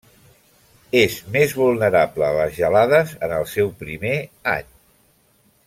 És més vulnerable a les gelades en el seu primer any.